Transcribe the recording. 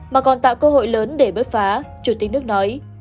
mà còn tạo cơ hội lớn để bớt phá chủ tịch nước nói